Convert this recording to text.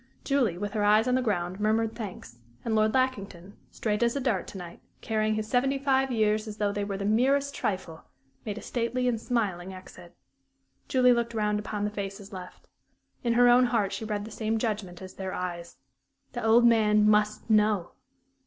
Julie, with her eyes on the ground, murmured thanks; and Lord Lackington, straight as a dart to night, carrying his seventy five years as though they were the merest trifle, made a stately and smiling exit. Julie looked round upon the faces left. In her own heart she read the same judgment as in their eyes: "_The old man must know!